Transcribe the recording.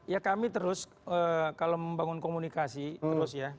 ya kami terus kalau membangun komunikasi terus ya